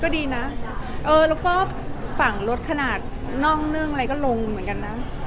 ก็ดีนะเออแล้วก็ฝั่งรถขนาดน่องนึ่งอะไรก็ลงเหมือนกันนะ